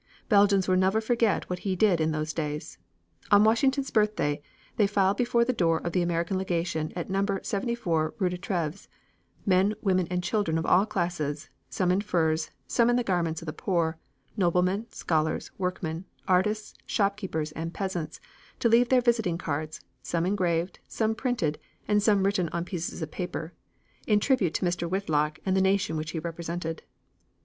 Belgians will never forget what he did in those days. On Washington's Birthday they filed before the door of the American Legation at Number 74 Rue de Treves, men, women and children of all classes; some in furs, some in the garments of the poor; noblemen, scholars, workmen, artists, shopkeepers and peasants to leave their visiting cards, some engraved, some printed and some written on pieces of paper, in tribute to Mr. Whitlock and the nation which he represented.